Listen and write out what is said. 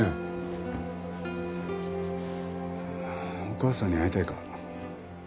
お母さんに会いたいか？